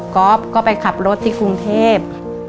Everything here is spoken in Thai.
ก็ไปขับรถที่กรุงเทพ